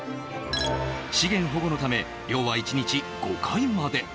資源保護のため、漁は１日５回まで。